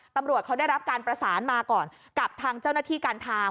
ตำรวจเขาได้รับการประสานมาก่อนกับทางเจ้าหน้าที่การทาง